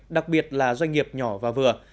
đặc biệt là doanh nghiệp nhỏ và vừa